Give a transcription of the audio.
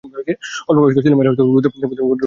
অল্পবয়স্ক ছেলেমেয়েরা ভূতের গল্প খুব আগ্রহ করে শোনে।